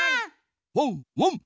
ワンワン！